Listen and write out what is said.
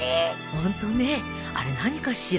ホントねえあれ何かしら。